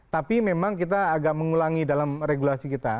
tapi memang kita agak mengulangi dalam regulasi kita